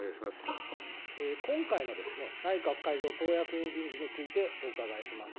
今回の内閣改造党役員人事についてお伺いします。